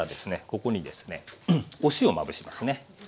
ここにですねお塩まぶしますね。